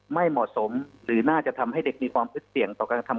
ไม่เหมาะสมหรือน่าจะทำให้เด็กมีความพึดเสี่ยงต่อการกระทำ